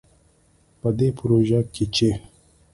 په دې پروژه کې چې